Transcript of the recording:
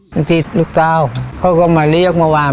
บางทีลูกเจ้าเขาก็มาเรียกแล้วมาบวน